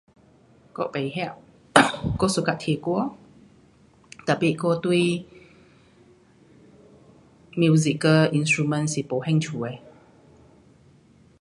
我甭晓。我 suka 提鼓，Tapi 我对 musical instrument 是没兴趣的。